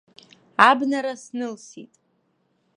Абнара снылсит.